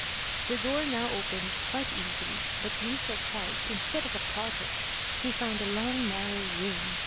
The door now opened quite easily, but to his surprise, instead of a closet he found a long narrow room.